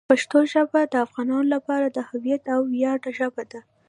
پښتو ژبه د افغانانو لپاره د هویت او ویاړ ژبه ده.